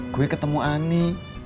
gue ketemu ani